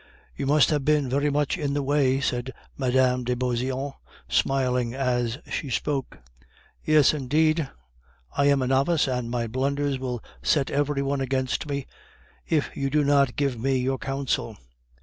"You must have been very much in the way," said Mme. de Beauseant, smiling as she spoke. "Yes, indeed. I am a novice, and my blunders will set every one against me, if you do not give me your counsel.